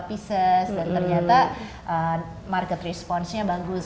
banyak beberapa pieces dan ternyata market response nya bagus